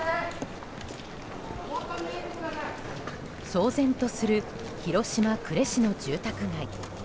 騒然とする広島・呉市の住宅街。